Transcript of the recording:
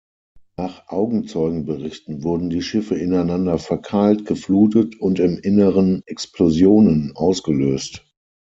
Nach Augenzeugenberichten wurden die Schiffe ineinander verkeilt, geflutet und im Inneren Explosionen ausgelöst.